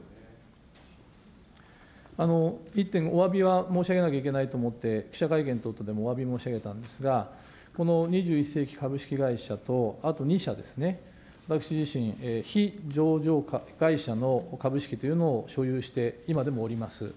一点、おわびは申し上げないといけないと思って、記者会見のときでもおわびを申し上げたんですが、この２１世紀株式会社と、あと２社ですね、私自身、非上場会社の株式というのを所有して、今でもおります。